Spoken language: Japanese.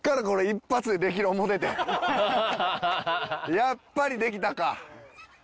やっぱりできたか。